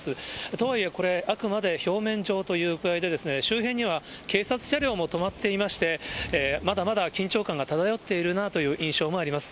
とはいえ、これ、あくまで表面上という具合で、周辺には警察車両も止まっていまして、まだまだ緊張感が漂っているなという印象もあります。